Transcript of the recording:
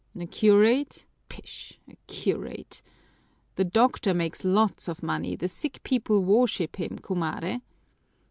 "A curate, pish! A curate? The doctor makes lots of money, the sick people worship him, cumare!"